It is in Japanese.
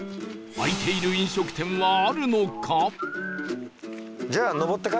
開いている飲食店はあるのか？